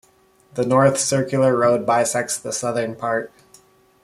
The North Circular Road bisects the southern part.